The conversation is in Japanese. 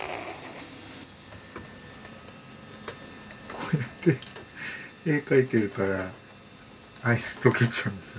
こうやって絵描いてるからアイス溶けちゃうんですよ。